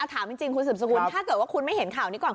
ถามจริงคุณสืบสกุลถ้าเกิดว่าคุณไม่เห็นข่าวนี้ก่อน